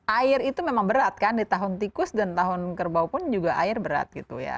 air itu memang berat kan di tahun tikus dan tahun kerbau pun juga air berat gitu ya